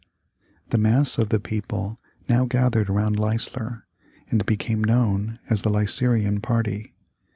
The mass of the people now gathered around Leisler and became known as the Leislerian party.